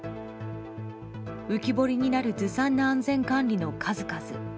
浮き彫りになるずさんな安全管理の数々。